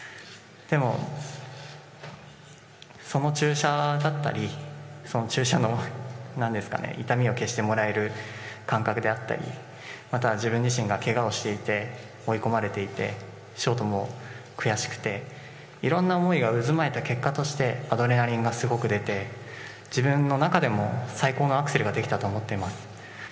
でも、その注射だったりその注射の痛みを消してもらえる感覚であったりまた、自分自身がけがをしていて追い込まれていてショートも悔しくていろんな思いが渦巻いた結果としてアドレナリンがすごく出て、自分の中でも最高のアクセルができたと思っています。